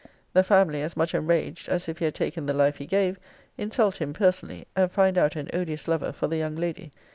'The family, as much enraged, as if he had taken the life he gave, insult him personally, and find out an odious lover for the young lady.